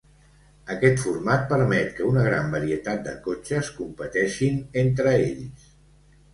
Aquest format permet que una gran varietat de cotxes competeixin entre ells.